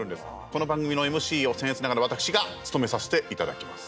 この番組のＭＣを、せん越ながら私が務めさせていただきます。